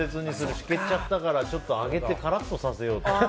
しけっちゃったからちょっと揚げてカラッとさせようと。